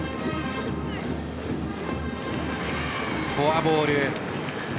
フォアボール。